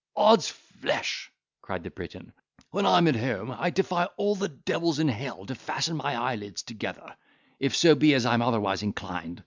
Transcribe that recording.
"Odd's flesh!" cried the Briton, "when I'm at home, I defy all the devils in hell to fasten my eyelids together, if so be as I'm otherwise inclined.